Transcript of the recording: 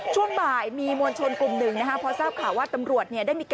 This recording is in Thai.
ช่วงบ่ายมีมวลชนกลุ่ม๑นะครับ